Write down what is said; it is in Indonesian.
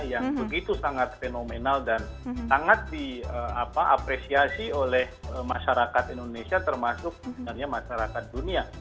yang begitu sangat fenomenal dan sangat diapresiasi oleh masyarakat indonesia termasuk sebenarnya masyarakat dunia